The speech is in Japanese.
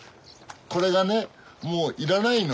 これがねもういらないの。